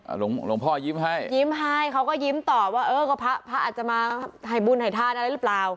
หลวงหลวงพ่อยิ้มให้ยิ้มให้เขาก็ยิ้มต่อว่าเออก็พระพระอาจจะมาให้บุญให้ทานอะไรหรือเปล่า